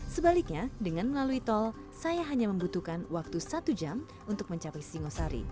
sebaliknya dengan melalui tol saya hanya membutuhkan waktu satu jam untuk mencapai singosari